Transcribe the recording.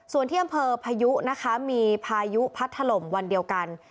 ส่วนที่อำเภอพายุนะคะมีพายุพัดถล่มวันเดียวกัน